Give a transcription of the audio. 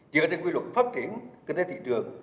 chỉ có tên quy luật phát triển kinh tế thị trường